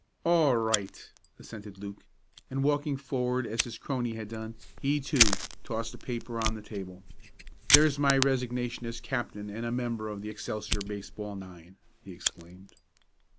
"All right," assented Luke, and walking forward as his crony had done, he, too, tossed a paper on the table. "There's my resignation as captain and a member of the Excelsior baseball nine!" he exclaimed.